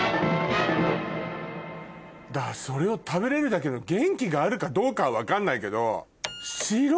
それを食べれるだけの元気があるかどうか分かんないけど。